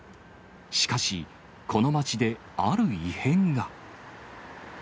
しかし、この町である異変が。